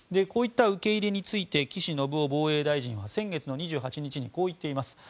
こういった受け入れについて岸信夫防衛大臣は先月２８日にこう言っています。